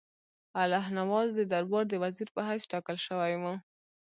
الله نواز د دربار د وزیر په حیث ټاکل شوی وو.